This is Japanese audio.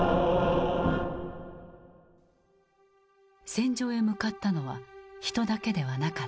戦場へ向かったのは人だけではなかった。